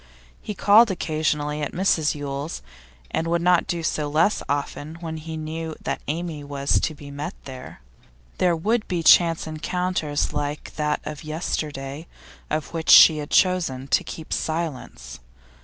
He called occasionally at Mrs Yule's, and would not do so less often when he knew that Amy was to be met there. There would be chance encounters like that of yesterday, of which she had chosen to keep silence.